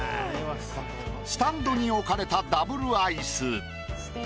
スタンドに置かれたＷアイス。